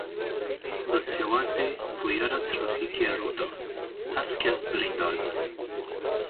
Li Sêwasê bûyera trafîkê rû da heft kes birîndar bûn.